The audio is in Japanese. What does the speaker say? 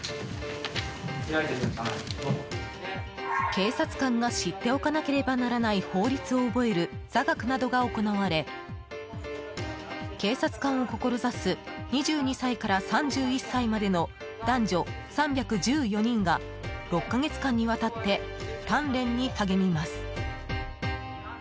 警察官が知っておかなければならない法律を覚える座学などが行われ警察官を志す２２歳から３１歳までの男女３１４人が６か月間にわたって鍛錬に励みます。